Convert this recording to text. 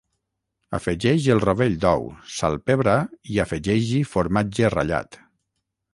Afegeix el rovell d'ou, salpebra i afegeix-hi formatge ratllat.